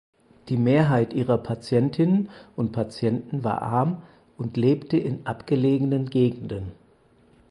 Die Mehrheit ihrer Patientinnen und Patienten war arm und lebte in abgelegenen Gegenden.